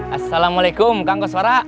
assalamualaikum kang goswara